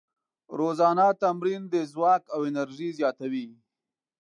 روزانه تمرین د ځواک او انرژۍ زیاتوي.